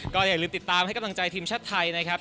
ก็อย่าลืมติดตามให้กำลังใจทีมชาติไทยนะครับ